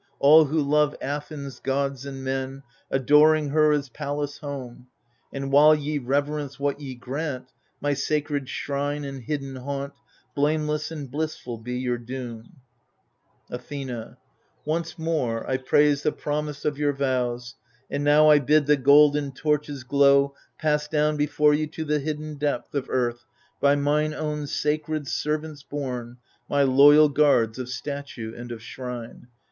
All who love Athens, Gods and men, Adoring her as Pallas' home ! And while ye reverence what ye grant — My sacred shrine and hidden haunt — Blameless and blissful be your doom 1 Athena Once more I praise the promise of your vows. And now I bid the golden torches' glow Pass down before you to the hidden depth Of earth, by mine own sacred servants borne, My loyal guards of statue and of shrine.